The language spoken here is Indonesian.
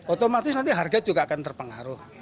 otomatis nanti harga juga akan terpengaruh